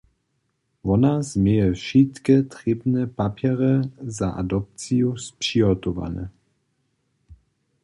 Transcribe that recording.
Wona změje wšitke trěbne papjerje za adopciju spřihotowane.